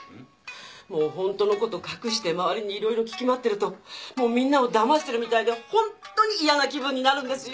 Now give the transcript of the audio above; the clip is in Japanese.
もうほんとのこと隠して周りにいろいろ聞き回ってるともうみんなをだましてるみたいでほんとに嫌な気分になるんですよ